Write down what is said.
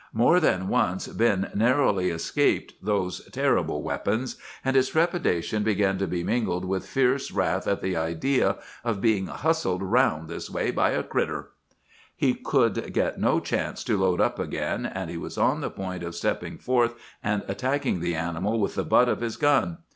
"More than once Ben narrowly escaped those terrible weapons, and his trepidation began to be mingled with fierce wrath at the idea of being 'hustled 'round' this way by a 'critter.' "He could get no chance to load up again, and he was on the point of stepping forth and attacking the animal with the butt of his gun.